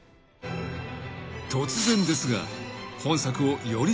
［突然ですが］